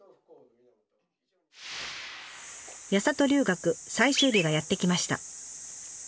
八郷留学最終日がやって来ました。